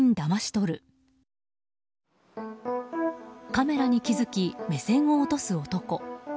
カメラに気づき目線を落とす男。